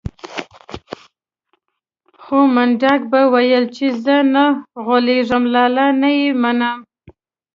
خو منډک به ويل چې زه نه غولېږم لالا نه يې منم.